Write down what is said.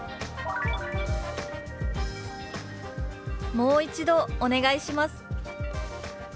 「もう一度お願いします」。